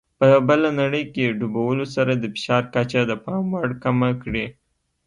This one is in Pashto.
په بله نړۍ کې ډوبولو سره د فشار کچه د پام وړ کمه کړي.